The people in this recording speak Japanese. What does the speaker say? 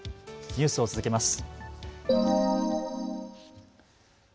ニュースを続けます。